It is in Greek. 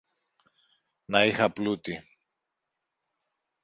Να είχα πλούτη!